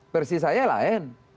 versi saya lain